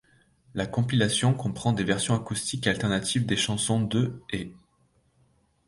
La compilation comprend des versions acoustiques et alternatives des chansons de ' et '.